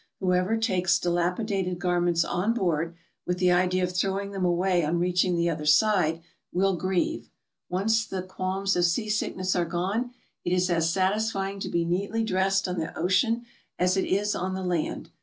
Whoever takes dilapi dated garments on board with the idea of throwing them away on reaching the other side, will grieve. Once the qualms of seasickness are gone, it is as satisfying to be neatly GOING ABROAD? 224 d.'essed on the ocean as it is on the land.